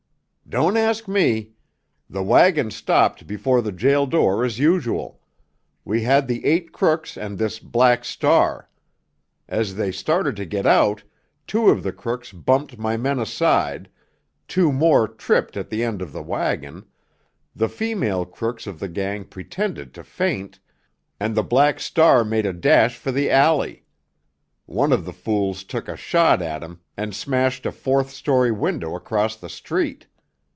"Don't ask me! The wagon stopped before the jail door as usual. We had the eight crooks and this Black Star. As they started to get out, two of the crooks bumped my men aside, two more tripped at the end of the wagon, the female crooks of the gang pretended to faint, and the Black Star made a dash for the alley. One of the fools took a shot at him and smashed a fourth story window across the street.